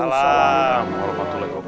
wabarakatuh pak kiai